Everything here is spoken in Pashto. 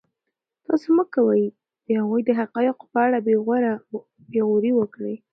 تاسو مه کوئ چې د هغوی د حقایقو په اړه بې غوري وکړئ.